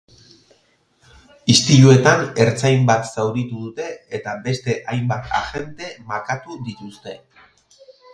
Istiluetan, ertzain bat zauritu dute eta beste hainbat agente makatu dituzte.